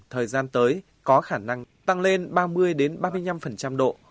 thời gian tới có khả năng tăng lên ba mươi ba mươi năm độ